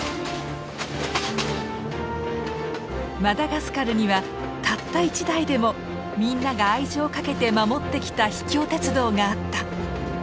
マダガスカルにはたった１台でもみんなが愛情をかけて守ってきた秘境鉄道があった。